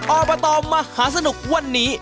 ออปาตอร์มมหาสนุกวันนี้